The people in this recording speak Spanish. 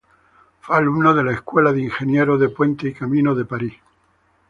Fue alumno de la Escuela de Ingenieros de Puentes y Caminos de París.